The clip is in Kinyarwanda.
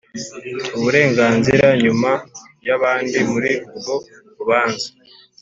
uburenganzira nyuma y abandi Muri urwo rubanza